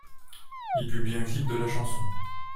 Ils publient un clip de la chanson '.